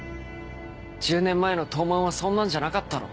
１０年前の東卍はそんなんじゃなかったろ。